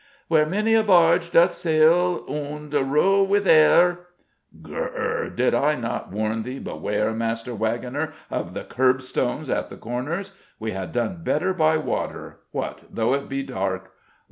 Where many a barge doth sail aund row with are Gr r r! Did I not warn thee beware, master wagoner, of the kerbstones at the corners? We had done better by water, what though it be dark....